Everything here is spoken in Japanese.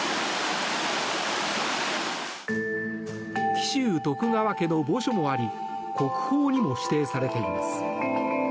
紀州徳川家の墓所もあり国宝にも指定されています。